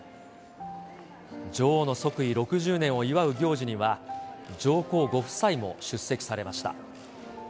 女王の即位６０年を祝う行事には、上皇ご夫妻も出席されました。